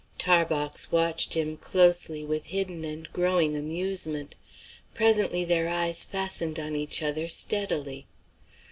Tarbox watched him closely, with hidden and growing amusement. Presently their eyes fastened on each other steadily.